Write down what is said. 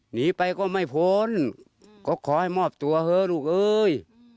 หนีไปก็ไม่พ้นก็ขอให้มอบตัวเถอะลูกเอ้ย